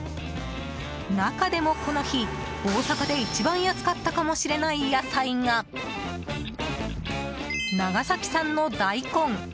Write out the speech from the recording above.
中でもこの日、大阪で一番安かったかもしれない野菜が長崎産の大根。